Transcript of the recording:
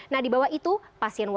nah di bawah itu pasien wawa